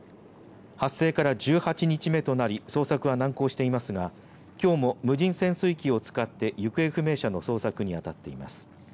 発生から１８日目となり捜索は難航していますがきょうも無人潜水機を使って行方不明者の捜索にあたっています。